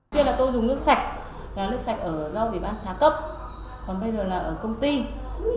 tôi dùng nước sạch nước sạch ở do vị bán xá cấp còn bây giờ là ở công ty